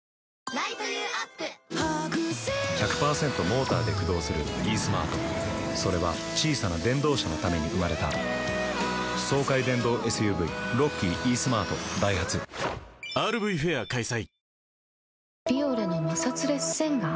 モーターで駆動するイースマートそれは小さな電動車のために生まれた爽快電動ＳＵＶロッキーイースマートダイハツＲＶフェア開催